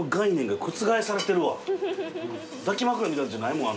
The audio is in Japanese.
抱き枕みたいなのじゃないもん